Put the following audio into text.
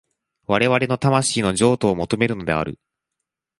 我々の魂の譲渡を求めるのである。